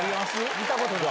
見たことない。